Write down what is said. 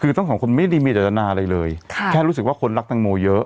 คือทั้งสองคนไม่ได้มีจตนาอะไรเลยแค่รู้สึกว่าคนรักแตงโมเยอะ